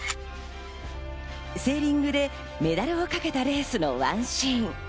セーリングでメダルをかけたレースのワンシーン。